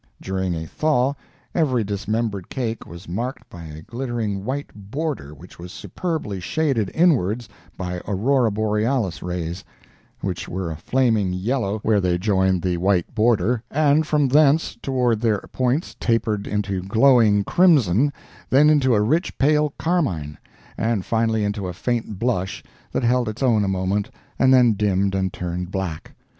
During a "thaw," every dismembered cake was marked by a glittering white border which was superbly shaded inwards by aurora borealis rays, which were a flaming yellow where they joined the white border, and from thence toward their points tapered into glowing crimson, then into a rich, pale carmine, and finally into a faint blush that held its own a moment and then dimmed and turned black.